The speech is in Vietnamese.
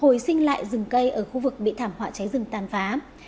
hồi sinh lại rừng cây ở khu vực bị thảm họa cháy rừng tàn phá